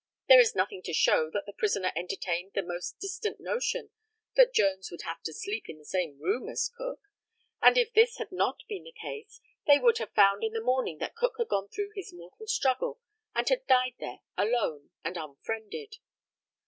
There is nothing to show that the prisoner entertained the most distant notion that Jones would have to sleep in the same room as Cook, and if this had not been the case, they would have found in the morning that Cook had gone through his mortal struggle, and had died there alone and unfriended.